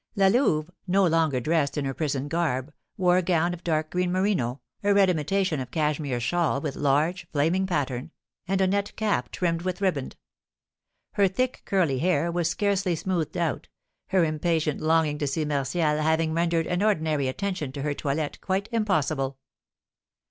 La Louve, no longer dressed in her prison garb, wore a gown of dark green merino, a red imitation of cashmere shawl with large, flaming pattern, and a net cap trimmed with riband; her thick, curly hair was scarcely smoothed out, her impatient longing to see Martial having rendered an ordinary attention to her toilet quite impossible.